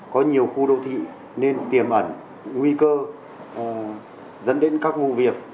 có nhiều khu đô thị nên tiềm ẩn nguy cơ dẫn đến các vụ việc